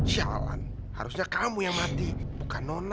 syalan harusnya kamu yang mati bukan nona